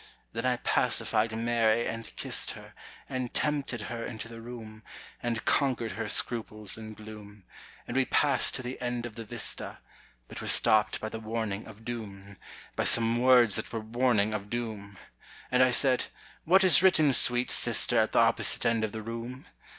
Then I pacified Mary and kissed her, And tempted her into the room, And conquered her scruples and gloom; And we passed to the end of the vista, But were stopped by the warning of doom, By some words that were warning of doom. And I said, "What is written, sweet sister, At the opposite end of the room?"